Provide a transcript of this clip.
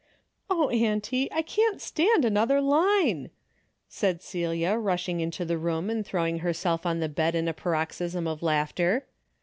"" Oh, auntie, I can't stand another line," said Celia rushing into the room and throw ing herself on the bed in a paroxysm of laugh ter.